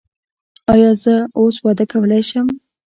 ایا زه اوس واده کولی شم؟